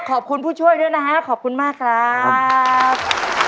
ผู้ช่วยด้วยนะฮะขอบคุณมากครับ